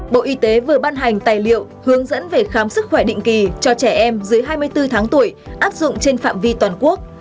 bộ y tế vừa ban hành tài liệu hướng dẫn về khám sức khỏe định kỳ cho trẻ em dưới hai mươi bốn tháng tuổi áp dụng trên phạm vi toàn quốc